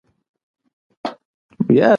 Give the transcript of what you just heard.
په عمل کې ځنډ مه کوه، ځکه چې وخت بیا نه راځي.